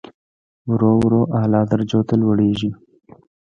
ورو ورو اعلی درجو ته لوړېږي.